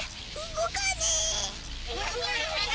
動かねぇ！